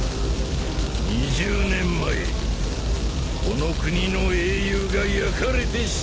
２０年前この国の英雄が焼かれて死んだ。